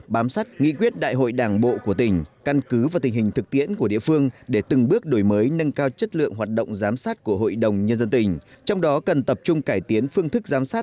bám sát nghị quyết đại hội đảng bộ của tỉnh căn cứ và tình hình thực tiễn của địa phương để từng bước đổi mới nâng cao chất lượng hoạt động giám sát của hội đồng nhân dân tỉnh